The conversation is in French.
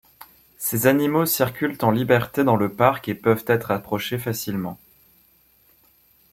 Ces animaux circulent en liberté dans le parc et peuvent être approchés facilement.